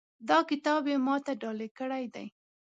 دا کتاب یې ما ته ډالۍ کړی ده